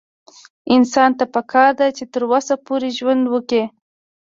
انسان ته پکار ده چې تر وسه پورې ژوند وکړي